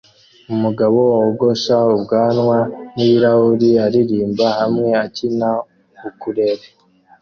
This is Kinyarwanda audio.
Umugabo wogosha ubwanwa nibirahuri aririmba hamwe akina ukulele